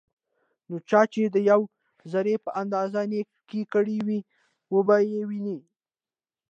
نو چا چې دیوې ذرې په اندازه نيکي کړي وي، وبه يې ويني